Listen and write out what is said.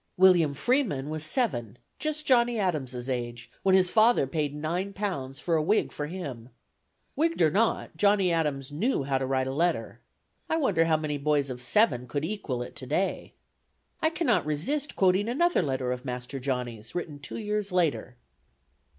William Freeman was seven, just Johnny Adams' age, when his father paid nine pounds for a wig for him. Wigged or not, Johnny Adams knew how to write a letter. I wonder how many boys of seven could equal it today! I cannot resist quoting another letter of Master Johnny's, written two years later.